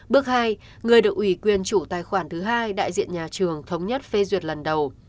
bước hai người được ủy quyền chủ tài khoản thứ hai đại diện nhà trường thống nhất phê duyệt lần đầu